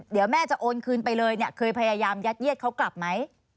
เดี๋ยวแม่จะโอนคืนไปเลยเนี่ยเคยพยายามยัดเยียดเขากลับไหม